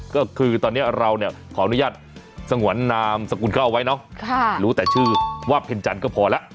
ก็คือตอนนี้เราเนี่ยขออนุญาตสงวนนามสกุลเขาเอาไว้เนาะรู้แต่ชื่อว่าเพ็ญจันทร์ก็พอแล้ว